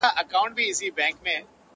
د پلټني سندرماره شـاپـيـرۍ يــارانــو ـ